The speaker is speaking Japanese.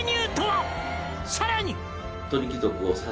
「さらに」